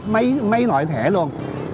mấy loại thẻ luôn